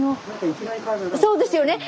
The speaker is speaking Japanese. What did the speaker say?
そうですよね。